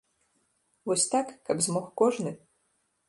Вось так, каб змог кожны?